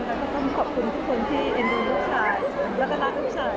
ก็ต้องขอบคุณทุกคนที่เอ็นดูลูกชายรักษณะลูกชาย